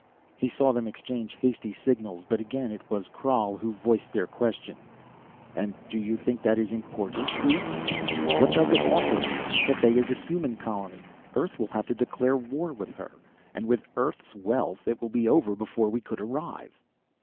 He saw them exchanging hasty signals, but again it was Krhal who voiced their question. "And you think that is important, Queeth? What does it offer us? Cathay is a human colony. Earth will have to declare war with her. And with Earth's wealth, it will be over before we could arrive."